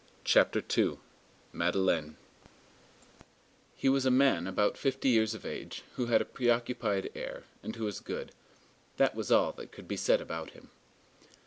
CHAPTER II—MADELEINE He was a man about fifty years of age, who had a preoccupied air, and who was good. That was all that could be said about him.